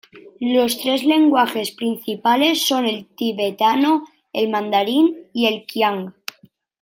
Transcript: Los tres lenguajes principales son el tibetano, el mandarín y el qiang.